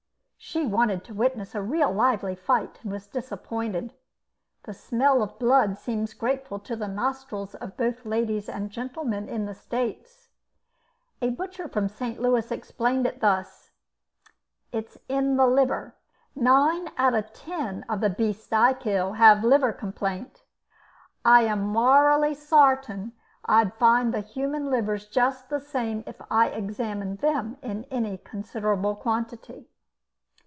She wanted to witness a real lively fight, and was disappointed. The smell of blood seems grateful to the nostrils of both ladies and gentlemen in the States. A butcher from St. Louis explained it thus: "It's in the liver. Nine out of ten of the beasts I kill have liver complaint. I am morally sartin I'd find the human livers just the same if I examined them in any considerable quantity."